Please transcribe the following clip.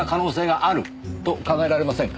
と考えられませんか？